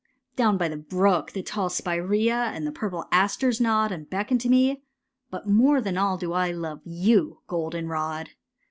Down by the brook the tall spirea And the purple asters nod, And beckon to me— but more than all Do I love you, goldenrod!